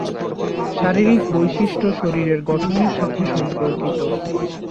শারীরিক বৈশিষ্ট্য শরীরের গঠন এর সাথে সম্পর্কিত।